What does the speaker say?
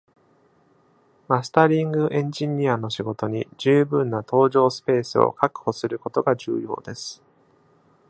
マスタリング・エンジニアの仕事に十分な頭上スペースを確保することが重要です。